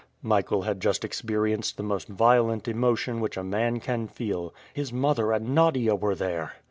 Michael had just experienced the most violent emotion which a man can feel. His mother and Nadia were there!